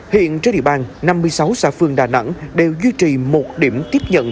hiện trên địa bàn năm mươi sáu xã phương đà nẵng đều duy trì một điểm tiếp nhận